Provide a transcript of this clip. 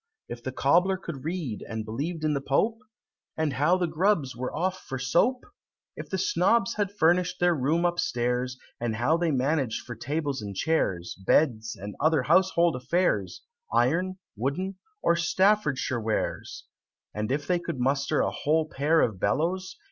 If the Cobbler could read, and believed in the Pope? And how the Grubbs were off for soap? If the Snobbs had furnish'd their room upstairs, And how they managed for tables and chairs, Beds, and other household affairs, Iron, wooden, and Staffordshire wares? And if they could muster a whole pair of bellows?